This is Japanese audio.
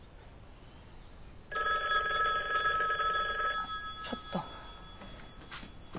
☎あっちょっと。